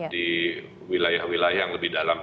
di wilayah wilayah yang lebih dalam